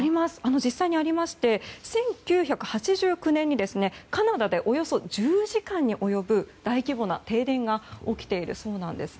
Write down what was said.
実際にありまして１９８９年にカナダでおよそ１０時間に及ぶ大規模な停電が起きているそうです。